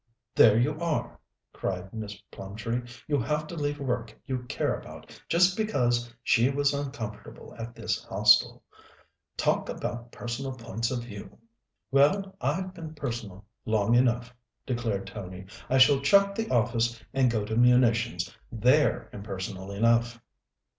"There you are!" cried Miss Plumtree. "You have to leave work you care about, just because she was uncomfortable at this Hostel. Talk about personal points of view!" "Well, I've been personal long enough," declared Tony. "I shall chuck the office and go to munitions. They're impersonal enough!"